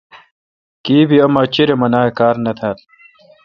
کیبی اما چریم انا کار نہ تال۔